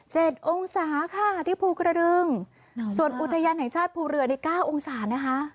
กองศาค่ะที่ภูกระดึงส่วนอุทยานแห่งชาติภูเรือในเก้าองศานะคะ